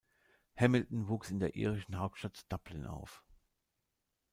Hamilton wuchs in der irischen Hauptstadt Dublin auf.